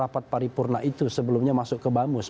rapat paripurna itu sebelumnya masuk ke bamus